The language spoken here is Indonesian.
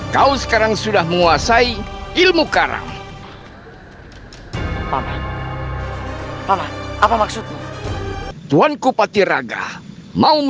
paman paman bukan mau menyerangmu